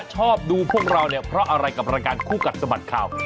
ชอบดูพวกเราเนี่ยเพราะอะไรกับรายการคู่กัดสะบัดข่าว